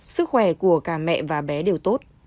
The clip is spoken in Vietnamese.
sức khỏe của cả mẹ và bé đều tốt